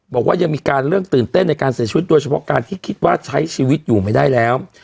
บอกว่ายังมีการเรื่องตื่นเต้นในการเสียชีวิตโดยเฉพาะการที่คิดว่าใช้ชีวิตอยู่ไม่ได้แล้ว